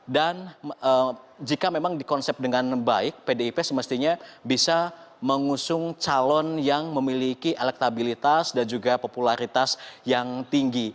dan jika memang dikonsep dengan baik pdip semestinya bisa mengusung calon yang memiliki elektabilitas dan juga popularitas yang tinggi